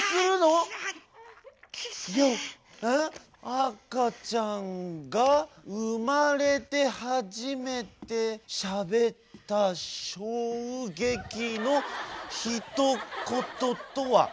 「あかちゃんがうまれてはじめてしゃべったしょうげきのひとこととは？」。